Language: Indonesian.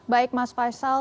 baik mas faisal